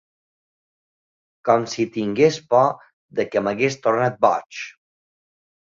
...com si tingués por de què m'hagués tornat boig.